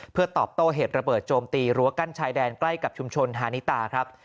เพื่อตอบโต้เหตุระเบิดโจมตีรั้วกั้นชายแดนใกล้กับชุมชนฮานิตาครับ